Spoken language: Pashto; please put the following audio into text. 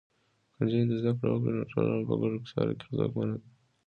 که نجونې زده کړه وکړي، نو ټولنه په ګډو چارو کې ځواکمنه ده.